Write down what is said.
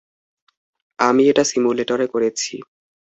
আমি এটা সিমুলেটরে করেছি।